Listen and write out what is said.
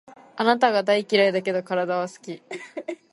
あなたが大嫌いだけど、体は好き